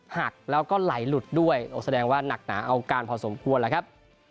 หักแล้วก็ไหลหลุดด้วยโอ้แสดงว่านักหนาเอาการพอสมควรแล้วครับ